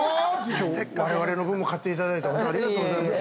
◆きょう、我々の分も買っていただいて本当にありがとうございました。